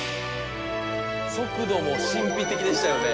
「速度も神秘的でしたよね」